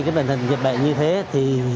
dịch bệnh như thế thì